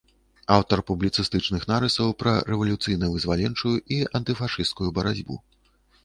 Аўтар публіцыстычных нарысаў пра рэвалюцыйна-вызваленчую і антыфашысцкую барацьбу.